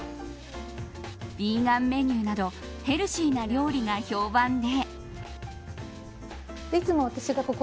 ビーガンメニューなどヘルシーな料理が評判で。